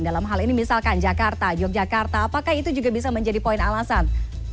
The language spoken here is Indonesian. dalam hal ini misalkan jakarta yogyakarta apakah itu juga bisa menjadi poin alasan